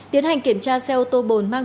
điện hành kiểm tra xe ô tô bồn mang